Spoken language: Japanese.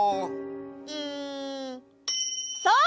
うんそうだ！